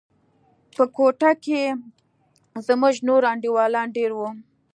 په كوټه کښې زموږ نور انډيوالان دېره وو.